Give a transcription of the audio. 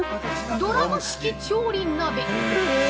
ドラム式調理鍋！